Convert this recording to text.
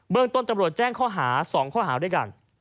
เมืองต้นตำรวจแจ้งข้อหา๒ข้อหาด้วยกัน